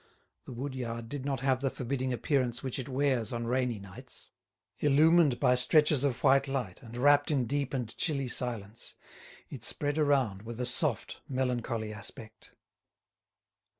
The wood yard did not have the forbidding appearance which it wears on rainy nights; illumined by stretches of white light, and wrapped in deep and chilly silence, it spread around with a soft, melancholy aspect.